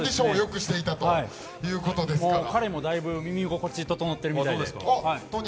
もう彼もだいぶ、耳心地、整ってるみたいで。